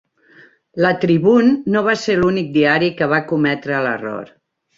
La "Tribune" no va ser l'únic diari que va cometre l'error.